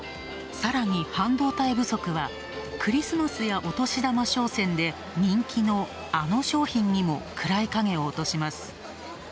さらに、半導体不足はクリスマスやお年玉商戦で人気のあの商品にも暗い影を落とします。